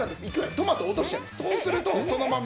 トマト落としちゃいます。